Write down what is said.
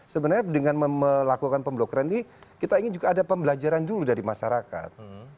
sebenarnya dengan melakukan pemblokiran ini kita ingin juga ada pembelajaran dulu dari masyarakat